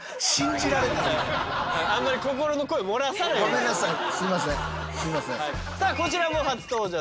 ごめんなさい。